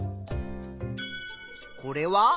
これは？